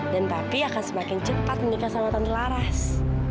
dan papi akan semakin cepat menikah sama tante laras